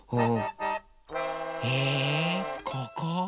えここ？